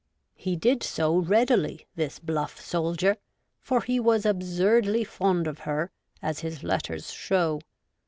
He did so readily, this bluff soldier ; for he was absurdly fond of her, as his letters show.